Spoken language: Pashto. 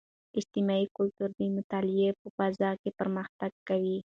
اجتماعي کلتور د مطالعې په فضاء کې پرمختګ کوي.